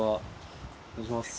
お願いします。